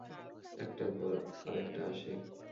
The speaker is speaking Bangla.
একটার পর আর একটা আসে।